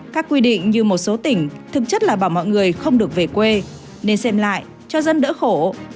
các quy định như một số tỉnh thực chất là bảo mọi người không được về quê nên xem lại cho dân đỡ khổ